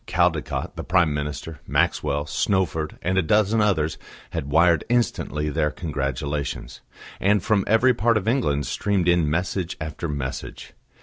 Caldecott, the Prime Minister, Maxwell, Snowford and a dozen others had wired instantly their congratulations, and from every part of England streamed in message after message.